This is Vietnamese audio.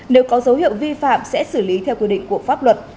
nếu có dấu hiệu vi phạm sẽ xử lý theo quy định của pháp luật